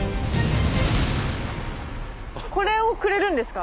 これをくれるんですか？